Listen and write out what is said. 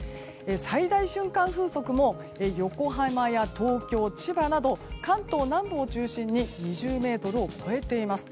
最大瞬間風速も横浜や東京、千葉など関東南部を中心に２０メートルを超えています。